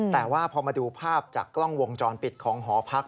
แต่ว่าพอมาดูภาพจากกล้องวงจรปิดของหอพัก